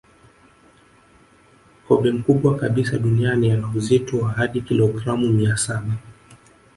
Kobe mkubwa kabisa duniani ana uzito wa hadi kilogramu mia saba